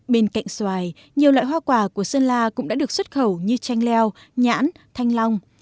bên cạnh xoài nhiều loại hoa quả của sơn la cũng đã được xuất khẩu như chanh leo nhãn thanh long